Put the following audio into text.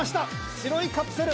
白いカプセル。